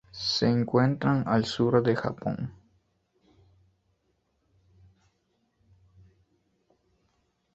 Se encuentran al sur del Japón.